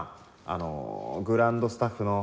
あのグランドスタッフの。